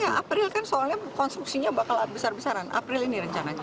ya april kan soalnya konstruksinya bakal besar besaran april ini rencananya